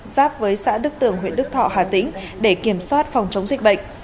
giáp với xã đức tường huyện đức thọ hà tĩnh để kiểm soát phòng chống dịch bệnh